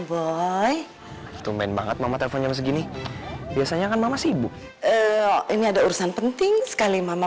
boy tumen banget mama teleponnya segini biasanya kan masih ibu ini ada urusan penting sekali mama